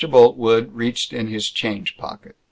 Boltwood reached in his change pocket.